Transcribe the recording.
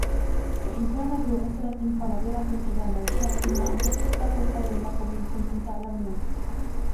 وإن كان ذو عسرة فنظرة إلى ميسرة وأن تصدقوا خير لكم إن كنتم تعلمون